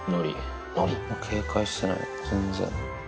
警戒してない、全然。